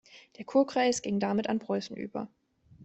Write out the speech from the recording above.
Der Kurkreis ging damit an Preußen über.